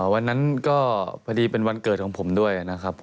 วันนั้นก็พอดีเป็นวันเกิดของผมด้วยนะครับ